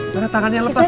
mana tangannya lepas